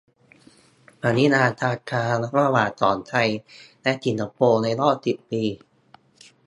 ปริมาณการค้าระหว่างของไทยและสิงคโปร์ ในรอบสิบปี